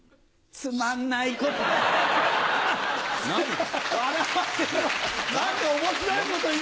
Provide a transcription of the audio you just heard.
つまんない答え。